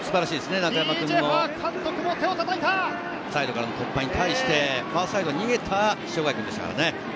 中山君のサイドから突破に対して、ファーサイド、逃げた塩貝君でしたからね。